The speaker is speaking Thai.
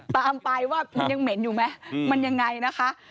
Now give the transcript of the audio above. ตามไปว่ามันยังเหม็นอยู่ไหมมันยังไงนะคะ